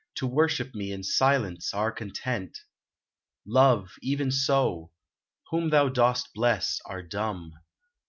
To worship me in silence are content !" Love, even so : whom thou dost bless are dumb.